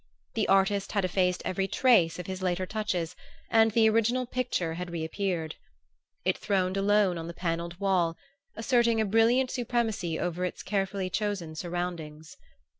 The artist had effaced every trace of his later touches and the original picture had reappeared. It throned alone on the panelled wall, asserting a brilliant supremacy over its carefully chosen surroundings.